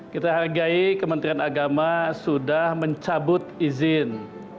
kita hargai kementerian agama sudah mencabut izin